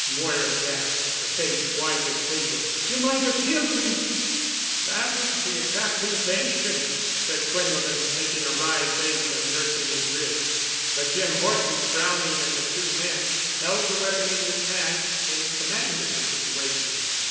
Moira gasped, her face white as paper. "You might have killed him." "That was the exact intention," said Quinlevin, making a wry face and nursing his wrist. But Jim Horton, frowning at the two men, held the weapon in his hand, in command of the situation.